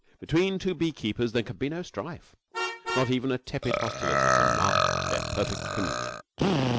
Between two beekeepers there can be no strife. Not even a tepid hostility can mar their perfect communion.